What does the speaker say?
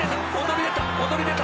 「躍り出た！